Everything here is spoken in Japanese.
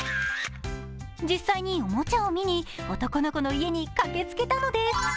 実際におもちゃを見に男の子の家に駆けつけたのです。